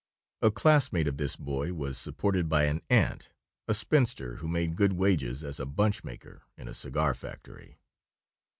A classmate of this boy was supported by an aunt, a spinster who made good wages as a bunch maker in a cigar factory.